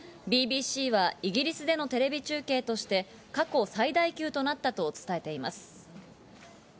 ＢＢＣはイギリスでのテレビ中継として過去最大級となったと伝えています。